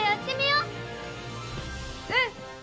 うん！